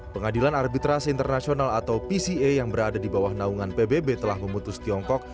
pengadilan arbitrasi internasional atau pca yang berada di bawah naungan pbb telah memutus tiongkok